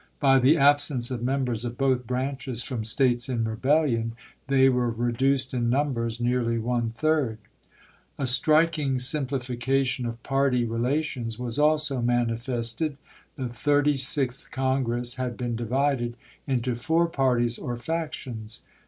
By the absence of members of both branches from States in rebellion they were reduced in numbers nearly one third. A striking simplification of party relations was also manifested. The Thii^ty sixth Congi ess had been divided into four parties or fac tions.